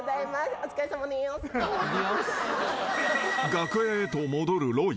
［楽屋へと戻るロイ。